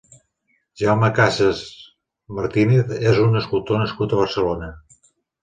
Jaume Cases Martínez és un escultor nascut a Barcelona.